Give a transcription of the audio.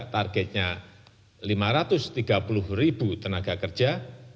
targetnya lima ratus tiga puluh ribu tenaga kerja